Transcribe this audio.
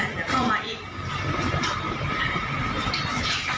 อีกแล้ว